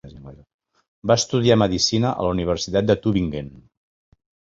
Va estudiar medicina a la universitat de Tübingen.